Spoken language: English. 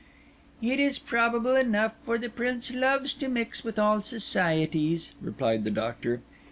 "It is probable enough; for the Prince loves to mix with all societies," replied the Doctor.